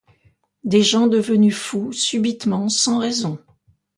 Des gens devenus fous, subitement, sans raison.